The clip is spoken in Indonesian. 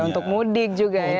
untuk mudik juga ya